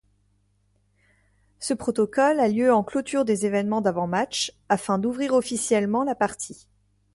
Ce protocole a lieu en clôture des événements d'avant-match, afin d'ouvrir officiellement la partie.